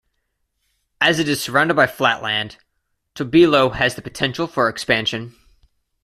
As it is surrounded by flat land, Tobelo has the potential for expansion.